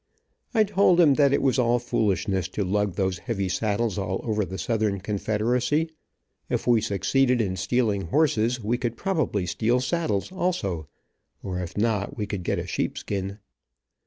I told him that it was all foolishness to lug those heavy saddles all over the Southern Confederacy. If we succeeded in stealing horses, we could probably steal saddles, also, or if not we could get a sheepskin.